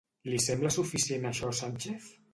Li sembla suficient això a Sánchez?